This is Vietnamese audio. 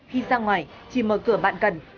khi ra ngoài chỉ mở cửa bạn cần